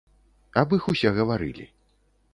Аб іх усе гаварылі.